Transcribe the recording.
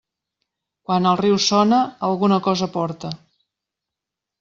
Quan el riu sona, alguna cosa porta.